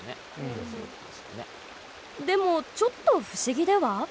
でもちょっと不思議では？